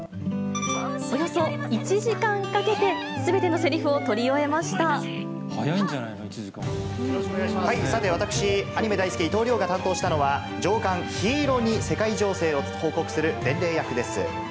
およそ１時間かけて、さて、私、アニメ大好き、伊藤遼が担当したのは、上官、ヒイロに世界情勢を報告する伝令役です。